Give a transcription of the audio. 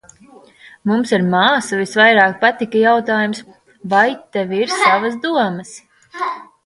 Mums ar māsu visvairāk patika jautājums "Vai tev ir savas domas?"